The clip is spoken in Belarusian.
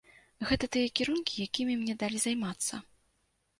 Гэта тыя кірункі, якімі мне далі займацца.